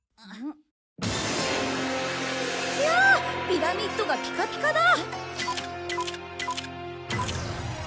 ピラミッドがピカピカだ！